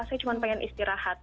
saya cuma pengen istirahat